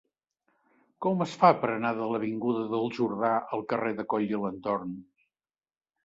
Com es fa per anar de l'avinguda del Jordà al carrer de Coll i Alentorn?